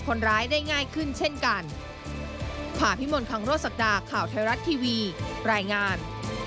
คนร้ายได้ง่ายขึ้นเช่นกัน